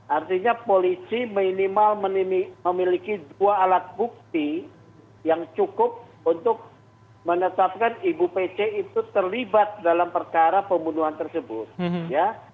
artinya polisi minimal memiliki dua alat bukti yang fungsi untuk menetapkan ibu pc terlibat untuk mengindikasi perubatan tersebut ya